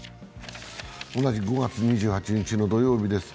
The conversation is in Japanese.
同じく５月２８日の土曜日です。